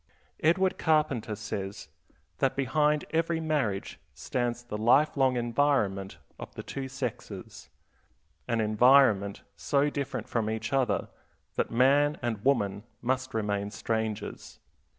Edward Carpenter says that behind every marriage stands the life long environment of the two sexes; an environment so different from each other that man and woman must remain strangers.